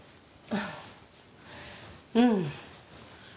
うん？